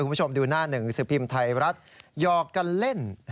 คุณผู้ชมดูหน้าหนึ่งสิบพิมพ์ไทยรัฐหยอกกันเล่น